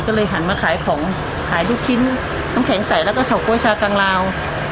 ก็เลยหันมาขายของขายลูกชิ้นน้ำแข็งใสแล้วก็เฉาก๊วยชากลางลาว